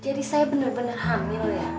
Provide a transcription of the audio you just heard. jadi saya bener bener hamil ya